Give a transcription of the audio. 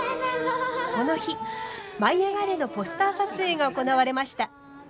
この日「舞いあがれ！」のポスター撮影が行われました。